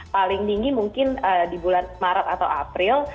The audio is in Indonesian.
paling tinggi mungkin di bulan maret atau april